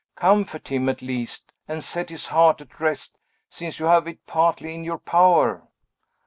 Comfort him, at least, and set his heart at rest, since you have it partly in your power."